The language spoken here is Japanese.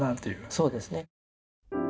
そうですね。